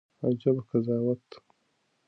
عجيبه قضاوت